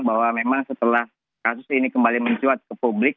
bahwa memang setelah kasus ini kembali mencuat ke publik